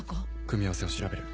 組み合わせを調べる。